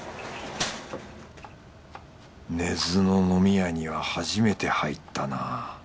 根津の飲み屋には初めて入ったな。